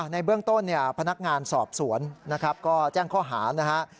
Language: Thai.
ในเบื้องต้นพนักงานสอบสวนก็แจ้งข้อหานะครับ